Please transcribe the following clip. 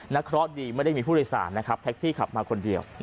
นักคอลอตดีไม่มีผู้โดยสารนะครับแท็กซี่ขับมาคนเดียว